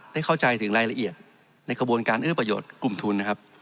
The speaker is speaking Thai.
ได้เข้าใจถึงรายละเอียดในกระบวนการเอื้อประโยชน์กลุ่มทุนนะครับ